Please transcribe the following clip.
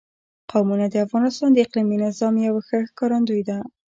قومونه د افغانستان د اقلیمي نظام یوه ښه ښکارندوی ده.